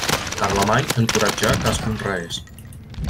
Carlemany encoratjà que es conreés.